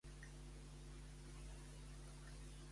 M'agradaria saber el que està passant a Twitter en aquest instant.